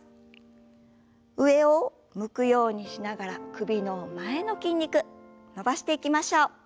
上を向くようにしながら首の前の筋肉伸ばしていきましょう。